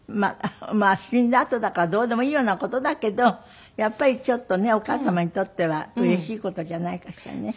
まあ死んだあとだからどうでもいいような事だけどやっぱりちょっとねお母様にとってはうれしい事じゃないかしらね。